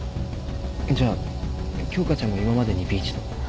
じゃあ京花ちゃんも今までにＢ一と？